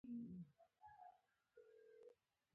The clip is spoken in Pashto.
باد د شېشه يي دروازو پر کړکېو لګېده، کالي مې تبدیل کړل.